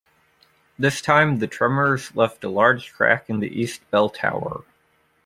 This time, the tremors left a large crack in the east bell tower.